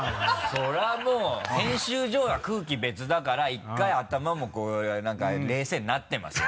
それはもう編集所は空気別だから１回頭もこう何か冷静になってますよ。